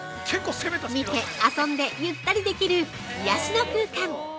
見て、遊んで、ゆったりできる癒やしの空間。